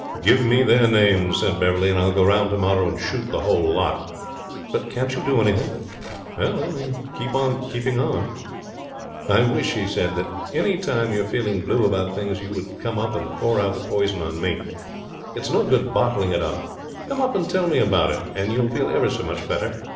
'Give me their names,' said Beverley, 'and I'll go round tomorrow and shoot the whole lot. But can't you do anything?' 'Only keep on keeping on.' 'I wish,' he said, 'that any time you're feeling blue about things you would come up and pour out the poison on me. It's no good bottling it up. Come up and tell me about it, and you'll feel ever so much better.